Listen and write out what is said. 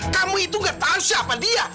kamu itu gak tahu siapa dia